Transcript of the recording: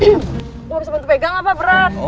lu harus bantu pegang apa bro